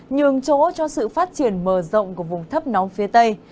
nhường chỗ cho sự phát triển mở rộng của vùng thấp nóng phía tây